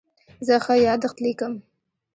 زه ښه یادښت لیکم.